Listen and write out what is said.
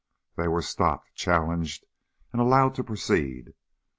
They were stopped, challenged, allowed to proceed.